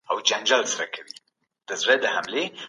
د غلا مخنيوی د ټولنې امنيت ساتي.